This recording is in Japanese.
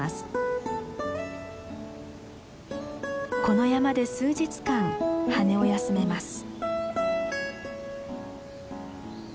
この山で数日間羽を休めます。